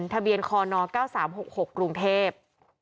ส่วนเงินทะเบียนคน๙๓๖๖กรุงเทพฯ